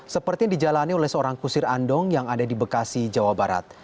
seperti yang dijalani oleh seorang kusir andong yang ada di bekasi jawa barat